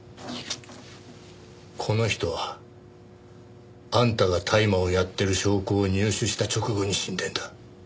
この人はあんたが大麻をやってる証拠を入手した直後に死んでんだ。